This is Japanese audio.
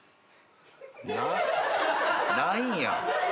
なないんや。